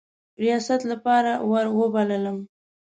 ریاست لپاره وروبللم.